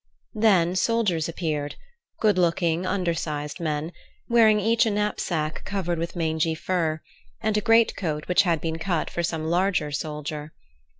Then soldiers appeared—good looking, undersized men—wearing each a knapsack covered with mangy fur, and a great coat which had been cut for some larger soldier.